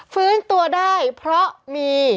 ฟื้นตัวได้เพราะมี